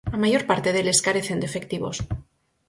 A maior parte deles carecen de efectivos.